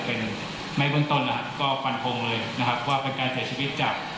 เป็นไม่เบื้องต้นนะครับก็ฟันทงเลยนะครับว่าเป็นการเสียชีวิตจาก